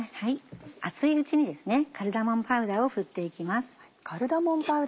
熱いうちにカルダモンパウダーを振って行きます。